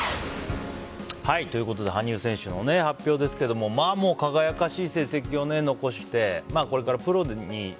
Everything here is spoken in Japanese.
羽生選手の発表ですけれどもまあ、もう輝かしい成績を残してこれからプロに。